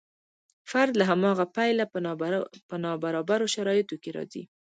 فرد له هماغه پیله په نابرابرو شرایطو کې راځي.